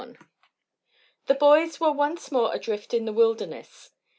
XXI The boys were once more adrift in the wilderness.